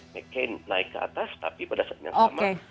mccain naik ke atas tapi pada saat yang sama